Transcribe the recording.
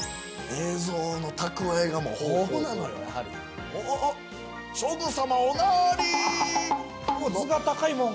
映像の蓄えがもう豊富なのよやはり。